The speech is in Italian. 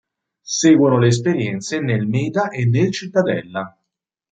Seguono le esperienze nel Meda e nel Cittadella.